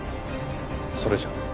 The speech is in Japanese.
それじゃあ。